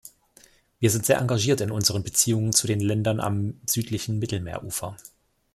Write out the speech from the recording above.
Wir sind sehr engagiert in unseren Beziehungen zu den Ländern am südlichen Mittelmeerufer.